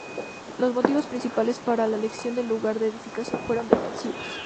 Los motivos principales para la elección del lugar de edificación fueron defensivos.